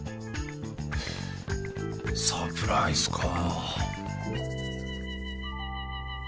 サプライズかぁ。